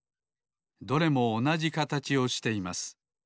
どれもおなじかたちをしています。